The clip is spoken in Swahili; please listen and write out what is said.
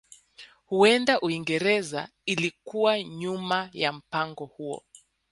Huenda Uingereza ilikuwa nyuma ya mpango huo